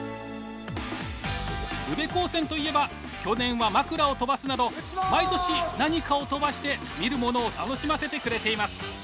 宇部高専といえば去年は枕を飛ばすなど毎年何かを飛ばして見る者を楽しませてくれています。